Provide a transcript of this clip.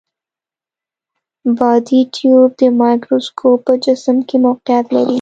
بادي ټیوب د مایکروسکوپ په جسم کې موقعیت لري.